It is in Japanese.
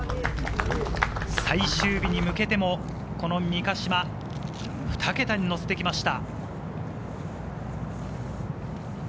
最終日に向けても、この三ヶ島、２桁にのせてきました。